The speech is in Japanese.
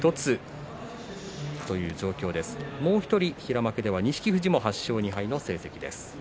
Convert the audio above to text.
もう１人、平幕では錦富士も８勝２敗の成績です。